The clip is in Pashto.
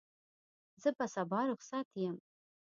زه به سبا رخصت یم.